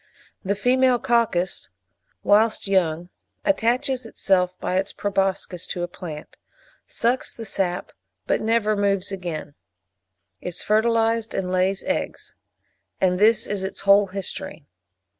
The female coccus, whilst young, attaches itself by its proboscis to a plant; sucks the sap, but never moves again; is fertilised and lays eggs; and this is its whole history.